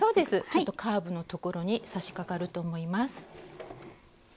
ちょっとカーブのところにさしかかると思います。